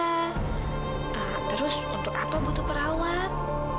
nah terus untuk apa butuh perawat